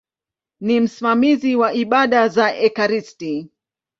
Ni msimamizi wa ibada za ekaristi.